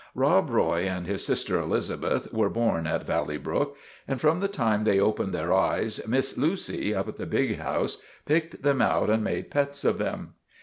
" Rob Roy and his sister Elizabeth were born at Valley Brook, and from the time they opened their eyes Miss Lucy, up at the big house, picked them out and made pets of them.